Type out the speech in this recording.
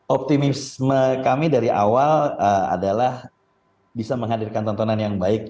optimisme kami dari awal adalah bisa menghadirkan tontonan yang baik